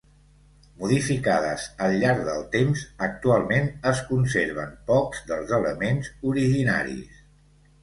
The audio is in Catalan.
Modificades al llarg del temps, actualment es conserven pocs dels elements originaris.